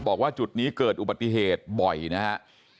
บอกว่าจุดนี้เกิดอุบัติเหตุบ่อยนะครับ